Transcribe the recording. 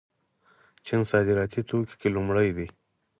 چین صادراتي توکو کې لومړی دی.